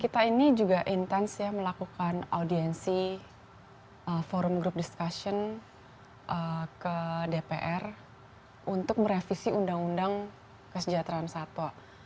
kita ini juga intens ya melakukan audiensi forum group discussion ke dpr untuk merevisi undang undang kesejahteraan satwa